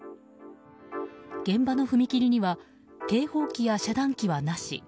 現場の踏切には警報機や遮断機はなし。